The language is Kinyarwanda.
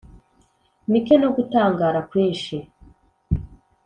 mike no gutangara kwinshi